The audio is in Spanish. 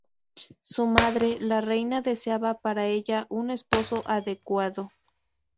Su madre, la reina, deseaba para ella un esposo adecuado.